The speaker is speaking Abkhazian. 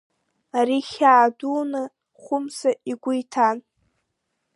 Ари хьаа дуны Хәымса игәы иҭан.